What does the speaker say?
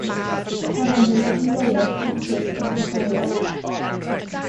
Cafon nhw fuddugoliaeth swmpus yn yr etholiad.